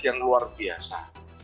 yang luar biasa